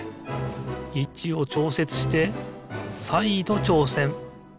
いちをちょうせつしてさいどちょうせん。